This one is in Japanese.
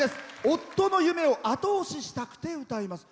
夫の夢を後押ししたくて歌います。